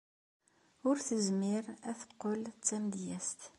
Ur tezmir ad teqqel d tamedyazt.